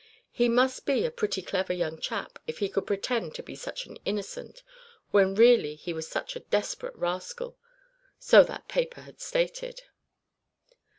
He must be a pretty clever young chap if he could pretend to be such an innocent, when really he was such a desperate rascal so that paper had stated.